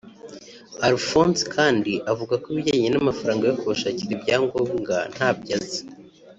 Alphonse kandi avuga ko ibijyanye n’amafaranga yo kubashakira ibyangombwa ntabyo azi